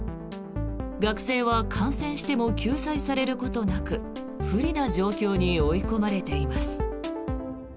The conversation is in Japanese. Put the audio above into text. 学生は感染しても救済されることなく不利な状況に追い込まれています。